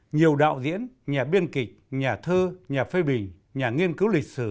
nhiều đạo diễn nhà biên kịch nhà thơ nhà phê bình nhà nghiên cứu lịch sử